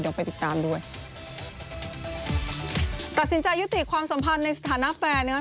ด้วยตัดสินใจยุติความสัมพันธ์ในสถานะแฟนนะครับ